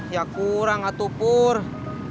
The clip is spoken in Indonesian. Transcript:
ya kurang atuh purr